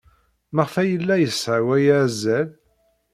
Maɣef ay yella yesɛa waya azal?